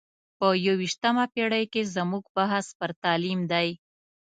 په یو ویشتمه پېړۍ کې زموږ بحث پر تعلیم دی.